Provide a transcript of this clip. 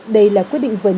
đây là quyết định vấn đề